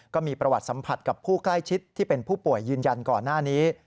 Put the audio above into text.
ก็มีประวัติสัมผัสกับผู้ใกล้ชิดที่เป็นผู้ป่วยยืนยันก่อนหน้านี้